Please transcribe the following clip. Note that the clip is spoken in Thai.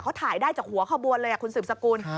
เขาถ่ายได้จากหัวขบวนเลยคุณสืบสกุล